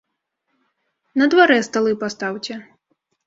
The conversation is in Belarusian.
На дварэ сталы пастаўце.